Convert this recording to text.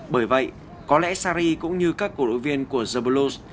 bởi vậy có lẽ sarri cũng như các cổ đội viên của zabalos